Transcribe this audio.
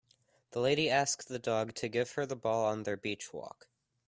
The lady ask the dog to give her the ball on their beach walk.